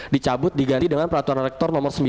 dicabut diganti dengan peraturan rektor nomor sembilan